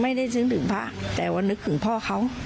ไม่ได้คิดถึงพระแต่ว่านึกถึงพ่อเขา